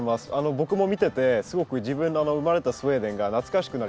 僕も見ててすごく自分の生まれたスウェーデンが懐かしくなりました。